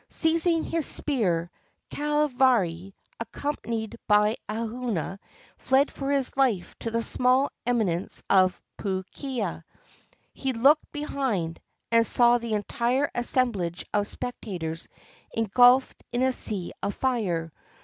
Seizing his spear, Kahavari, accompanied by Ahua, fled for his Hfe to the small eminence of Puukea. He looked behind, and saw the entire assemblage of spec tators engulfed in a sea of fire.